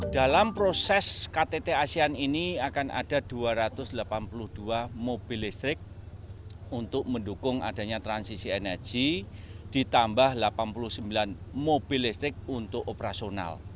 dalam proses ktt asean ini akan ada dua ratus delapan puluh dua mobil listrik untuk mendukung adanya transisi energi ditambah delapan puluh sembilan mobil listrik untuk operasional